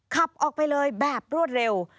ขับออกไปเลยแบบรวดเร็ว